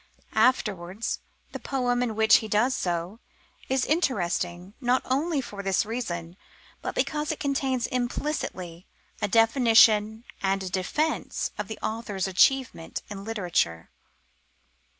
Afterwards, the poem in which he does so, is interesting, not only for this reason, but because it contains implicitly a definition and a defence of the author's achievement in literature.